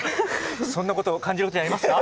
そんなこと感じることありますか？